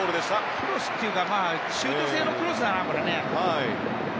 クロスというかシュート性のクロスだな。